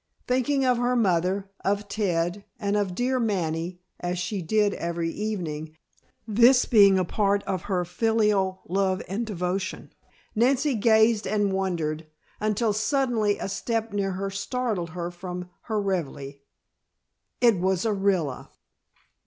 Thinking of her mother, of Ted and of dear Manny, as she did every evening, this being a part of her filial love and devotion, Nancy gazed and wondered, until suddenly a step near her startled her from her reverie. It was Orilla!